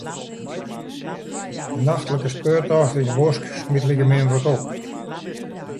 In nachtlike speurtocht yn 'e bosk smiet likemin wat op.